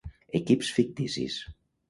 Equips ficticis: